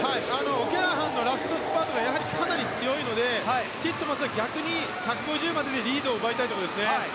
オキャラハンのラストスパートがやはりかなり強いのでティットマスは逆に１５０まででリードを奪いたいですね。